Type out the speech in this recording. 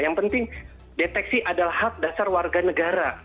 yang penting deteksi adalah hak dasar warga negara